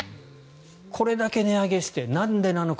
これだけ値上げしてなんでなのか。